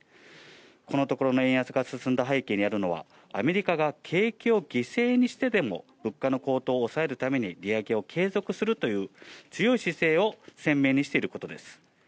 このところの円安が進んだ背景にあるのはアメリカが景気を犠牲にしてでも物価の高騰を抑えるために利上げを継続するという強い姿勢を鮮明にしていることです。